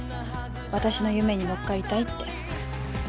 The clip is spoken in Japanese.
私の夢に乗っかりたいって